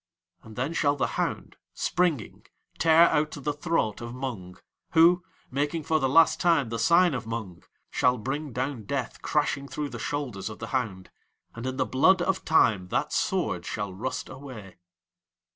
And then shall the hound, springing, tear out the throat of Mung, who, making for the last time the sign of Mung, shall bring down Death crashing through the shoulders of the hound, and in the blood of Time that Sword shall rust away.